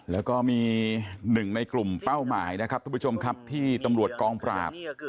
แล้วก็มีหนึ่งในกลุ่มเป้าหมายนะครับทุกผู้ชมครับที่ตำรวจกองปราบ